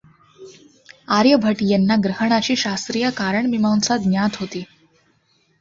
आर्यभट्ट यांना ग्रहणाची शास्त्रीय कारणमीमांसा ज्ञात होती.